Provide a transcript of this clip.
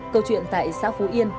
câu chuyện tại xã phú yên